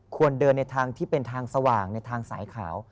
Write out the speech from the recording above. ควรเดินในทางที่เป็นทางสว่างในทางสายขาว